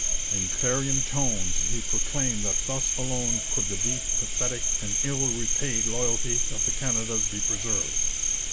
In clarion tones he proclaimed that thus alone could the deep, pathetic, and ill repaid loyalty of the Canadas be preserved.